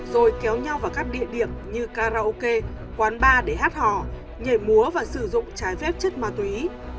rồi kéo nhau vào các địa điểm như karaoke quán bar để hát hò nhảy múa và sử dụng trái phép chất ma túy